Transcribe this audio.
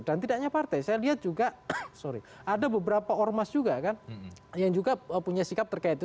dan tidak hanya partai saya lihat juga sorry ada beberapa ormas juga kan yang juga punya sikap terkait itu